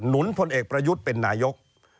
พลเอกประยุทธ์เป็นนายก